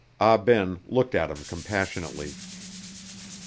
Ah Ben looked at him compassionately.